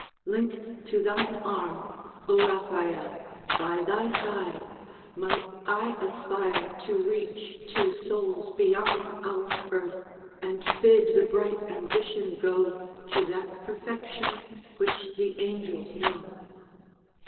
Linked to thine arm, O Raphael, by thy side Might I aspire to reach to souls beyond Our earth, and bid the bright ambition go To that perfection which the angels know!